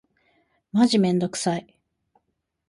マジめんどくさい。